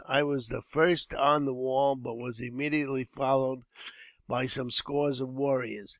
I was the first on the wall, but was immediately followed by some scores of warriors.